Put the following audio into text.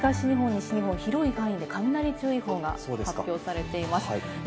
夜にかけて、この時間、東日本・西日本、広い範囲で雷注意報が発表されています。